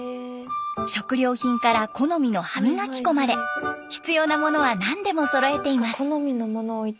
食料品から好みの歯磨き粉まで必要なものは何でもそろえています。